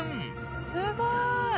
すごい。